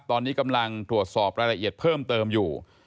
ตอนนี้กำลังตรวจสอบรายละเอียดเพิ่มเติมอยู่